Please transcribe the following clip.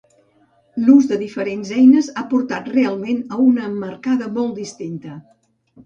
L'ús de diferents eines ha portat realment a una emmarcada molt distinta.